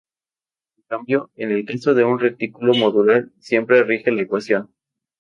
En cambio, en el caso de un retículo modular siempre rige la ecuación.